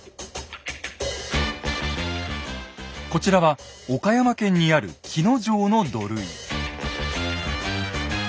こちらは岡山県にある鬼ノ城の土塁。